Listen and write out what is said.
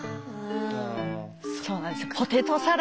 そうなんですよ。